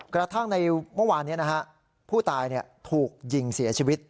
กระทั่งในเมื่อวานนี้ผู้ตายถูกยิงเสียชีวิต